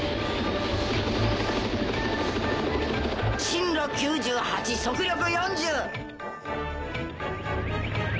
針路９８速力４０！